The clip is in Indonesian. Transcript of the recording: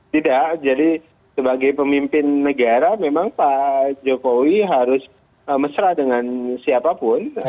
tidak jadi sebagai pemimpin negara memang pak jokowi harus mesra dengan siapapun